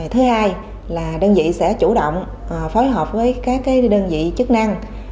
thứ hai là đơn vị sẽ chủ động phối hợp với các đơn vị chức năng